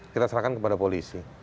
kita serahkan kepada polisi